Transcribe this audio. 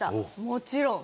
もちろん。